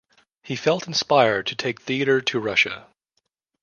He felt inspired to take theatre to Russia.